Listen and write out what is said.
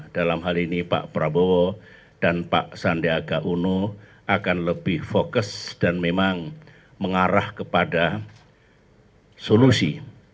dalam hal ini pak prabowo dan pak sandiaga uno akan lebih fokus dan memang mengarah kepada solusi